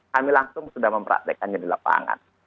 kami langsung sudah mempraktekannya di lapangan